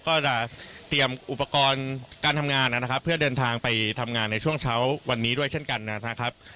ก็จะเตรียมอุปกรณ์การทำงานนะครับเพื่อเดินทางไปทำงานในช่วงเช้าวันนี้ด้วยเช่นกันนะครับ